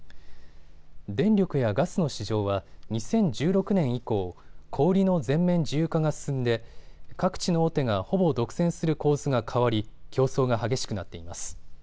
電力やガスの市場は２０１６年以降、小売りの全面自由化が進んで各地の大手がほぼ独占する構図が変わり競争が激しくなっています。